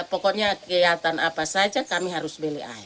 pokoknya kegiatan apa saja kami harus beli air